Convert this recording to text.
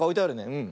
うん。